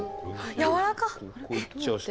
やわらかっ！